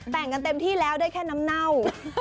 แต่งกันเต็มที่แล้วได้แค่น้ำเน่า